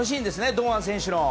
堂安選手の。